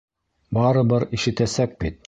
Барыбер ишетәсәк бит.